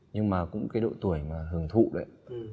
nhưng mà cũng cái độ tuổi mà hưởng thụ đấy